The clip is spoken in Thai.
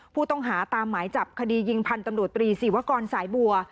ผู้ต้องหาตามหมายจับคดียิงพันธุ์ตำรวจตรีศิวกรสายบัว